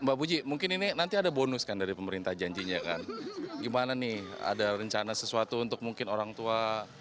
mbak puji mungkin ini nanti ada bonus kan dari pemerintah janjinya kan gimana nih ada rencana sesuatu untuk mungkin orang tua